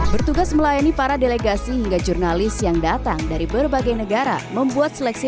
bertugas melayani para delegasi hingga jurnalis yang datang dari berbagai negara membuat seleksi